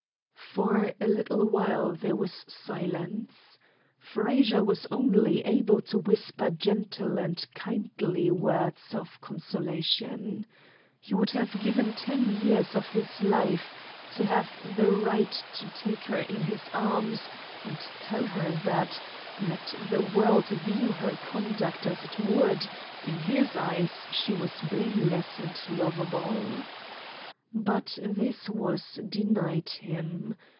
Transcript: For a little while there was silence. Frazer was only able to whisper gentle and kindly words of consolation. He would have given ten years of his life to have the right to take her in his arms and tell her that, let the world view her conduct as it would, in his eyes she was blameless and lovable. But this was denied him.